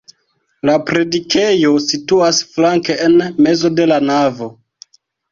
La predikejo situas flanke en mezo de la navo.